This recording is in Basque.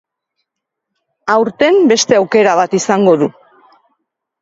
Aurten beste aukera bat izango du.